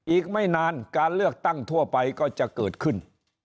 อีกไม่นานการเลือกตั้งทั่วไปก็จะเกิดขึ้น